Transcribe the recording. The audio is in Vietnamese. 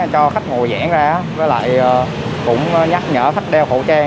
cho khách ngồi giãn ra với lại cũng nhắc nhở khách đeo khẩu trang